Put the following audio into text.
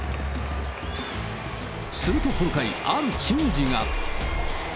するとこの回、ある珍事が。